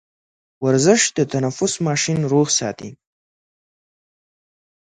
ورزش د تنفس ماشين روغ ساتي.